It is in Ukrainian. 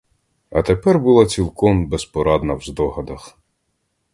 А тепер була цілком безпорадна в здогадах!